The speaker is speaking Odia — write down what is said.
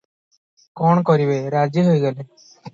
କଣ କରିବେ, ରାଜି ହୋଇଗଲେ ।